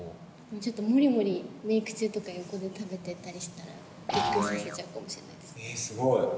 ちょっと、もりもりメーク中とか横で食べてたりしたら、びっくりさせちゃうえー、すごい。